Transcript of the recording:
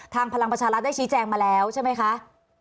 พลังประชารัฐได้ชี้แจงมาแล้วใช่ไหมคะ